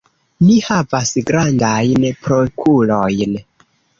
Ni havas grandajn prokurojn.